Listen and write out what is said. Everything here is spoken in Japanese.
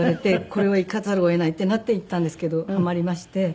これは行かざるを得ないってなって行ったんですけどハマりまして。